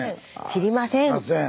知りません。